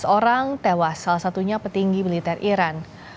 tujuh belas orang tewas salah satunya petinggi militer iran